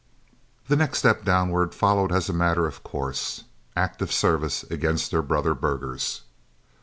The next step downwards followed as a matter of course, active service against their brother burghers.